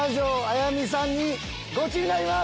やみさんにゴチになります！